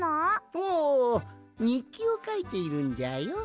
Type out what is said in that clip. おおにっきをかいているんじゃよ。